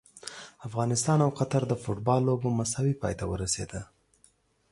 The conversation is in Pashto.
افغانستان او قطر د فوټبال لوبه مساوي پای ته ورسیده!